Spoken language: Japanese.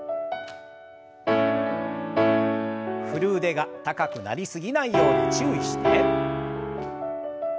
振る腕が高くなりすぎないように注意して。